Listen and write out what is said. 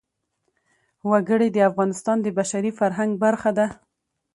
وګړي د افغانستان د بشري فرهنګ برخه ده.